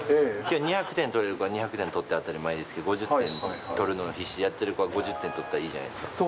２００点取れる子は２００点取るの当たり前ですけど、５０点取るのが必死でやってる子は５０点取ったらいいじゃないですか。